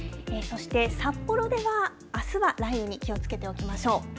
そして、札幌ではあすは雷雨に気をつけておきましょう。